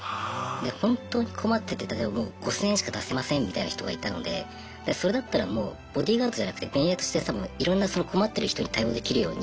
本当に困ってて例えば５，０００円しか出せませんみたいな人がいたのでそれだったらもうボディーガードじゃなくて便利屋としていろんなその困ってる人に対応できるように。